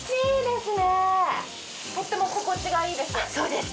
とっても心地がいいです。